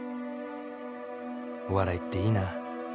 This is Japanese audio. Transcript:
お笑いっていいな